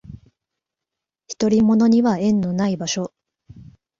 独り者には縁のない場所